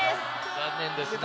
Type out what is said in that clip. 残念ですね。